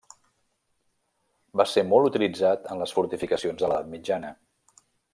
Va ser molt utilitzat en les fortificacions de l'edat mitjana.